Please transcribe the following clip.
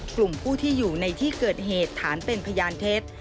กลุ่มผู้ที่อยู่ในที่เกิดเหตุฐานเป็นพยานเท็จ